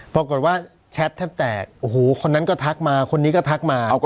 ปรากฏว่าแชทแทบแตกโอ้โหคนนั้นก็ทักมาคนนี้ก็ทักมา